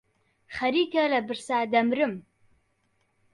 خەریکە لە برسا دەمرم.